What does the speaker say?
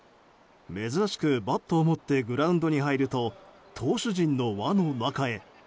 珍しくバットを持ってグラウンドに入ると投手陣の輪の中へ。